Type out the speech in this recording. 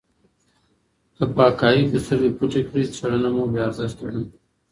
که په حقایقو سترګې پټې کړئ څېړنه مو بې ارزښته ده.